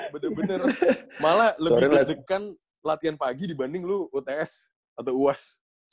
bener bener malah lebih deg degan latihan pagi dibanding lu uts atau uas